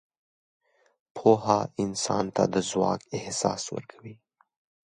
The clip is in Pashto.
پوهه انسان ته د ځواک احساس ورکوي.